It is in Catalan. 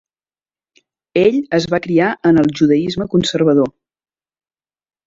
Ell es va criar en el judaisme conservador.